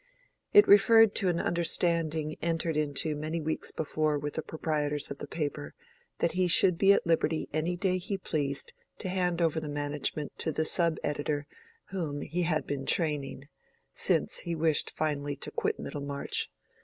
It referred to an understanding entered into many weeks before with the proprietors of the paper, that he should be at liberty any day he pleased to hand over the management to the subeditor whom he had been training; since he wished finally to quit Middlemarch.